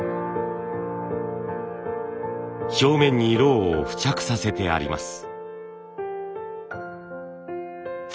表面にロウを付着させてあります。